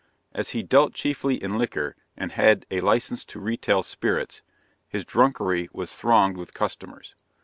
As he dealt chiefly in liquor, and had a "License to retail Spirits," his drunkery was thronged with customers.